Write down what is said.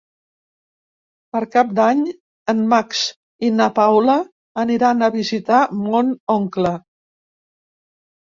Per Cap d'Any en Max i na Paula aniran a visitar mon oncle.